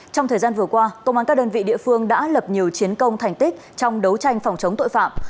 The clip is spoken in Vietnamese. trong thời gian vừa qua công an các đơn vị địa phương đã lập nhiều chiến công thành tích trong đấu tranh phòng chống tội phạm